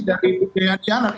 dari bung jaya dianan